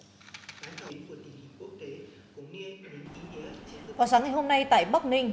họa sáng ngày hôm nay tại bắc ninh